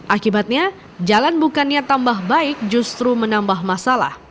akibatnya jalan bukannya tambah baik justru menambah masalah